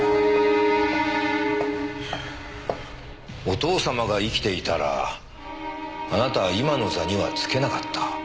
お父様が生きていたらあなたは今の座にはつけなかった。